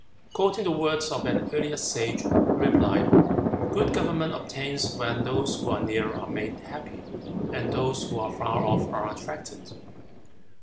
Quoting the words of an earlier sage, he replied, "Good government obtains when those who are near are made happy, and those who are far off are attracted."